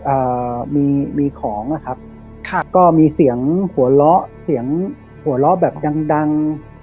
เอ่อมีมีของอะครับค่ะก็มีเสียงหัวเราะเสียงหัวเราะแบบดังดัง